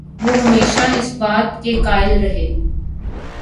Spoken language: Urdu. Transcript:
وہ ہمیشہ اس بات کے قائل رہے